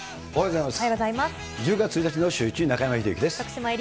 おはようございます。